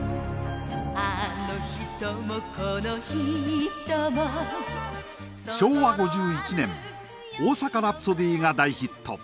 「あの人もこの人も」昭和５１年「大阪ラプソディー」が大ヒット。